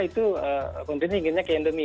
itu tentunya inginnya ke endemi